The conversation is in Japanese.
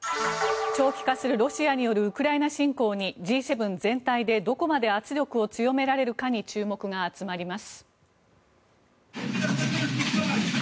長期化するロシアによるウクライナ侵攻にＧ７全体でどこまで圧力を強められるかに注目が集まります。